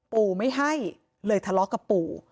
ปู่ไม่ให้เลยทะเลาะกับปู่